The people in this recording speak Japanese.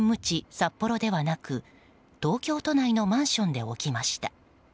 札幌ではなく東京都内のマンションで起きました。